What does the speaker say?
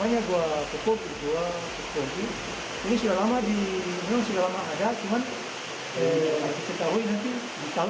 kondisi gua ini sudah lama diilang sudah lama ada cuman disertahui nanti di tahun dua ribu dua puluh